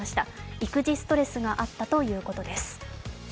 育児ストレスがあったということです。